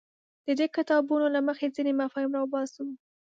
د دې کتابونو له مخې ځینې مفاهیم راوباسو.